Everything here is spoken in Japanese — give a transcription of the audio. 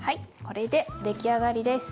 これで出来上がりです。